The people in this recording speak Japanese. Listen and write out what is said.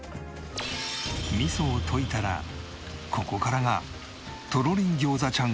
味噌を溶いたらここからがとろりん餃子ちゃん